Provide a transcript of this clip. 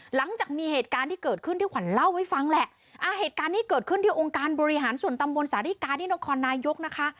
หลังจากมีเหตุการณ์ที่เกิดขึ้นที่ขวัญเล่าให้ฟังแหละอ่าเหตุการณ์นี้เกิดขึ้นที่องค์การบริหารส่วนตำบลสาธิกาที่นครนายกนะคะ